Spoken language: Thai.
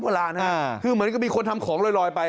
คือเหมือนกับมีคนทำของลอยไป